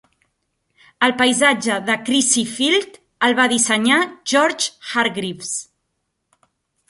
El paisatge de Crissy Field el va dissenyar George Hargreaves.